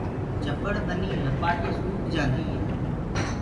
چٻڙ ٻني لپآٽي سوُڪ جآندي هي۔